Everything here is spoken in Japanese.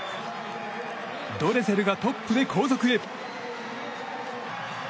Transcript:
ドレセルがトップで後続へ。